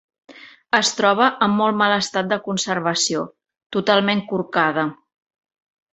Es troba en molt mal estat de conservació, totalment corcada.